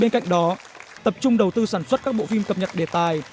bên cạnh đó tập trung đầu tư sản xuất các bộ phim cập nhật đề tài